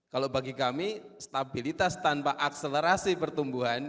kalau bagi kami stabilitas tanpa akselerasi pertumbuhan